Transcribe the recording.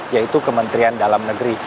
yaitu kementerian dalam negeri